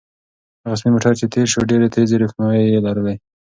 هغه سپین موټر چې تېر شو ډېرې تیزې روښنایۍ لرلې.